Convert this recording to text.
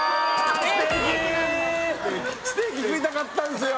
ステーキステーキ食いたかったんすよ